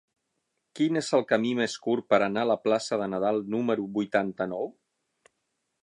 Quin és el camí més curt per anar a la plaça de Nadal número vuitanta-nou?